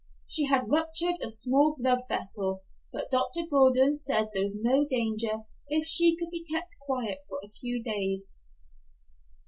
She had ruptured a small blood vessel, but Dr. Gordon said there was no danger if she could be kept quiet for a few days.